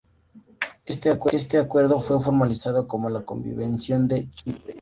Este acuerdo fue formalizado como la Convención de Chipre.